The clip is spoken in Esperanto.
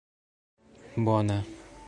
bona